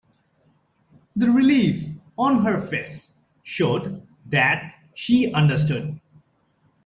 The relief on her face showed that she understood.